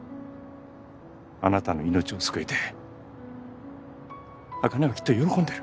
あなたの命を救えてアカネはきっと喜んでる。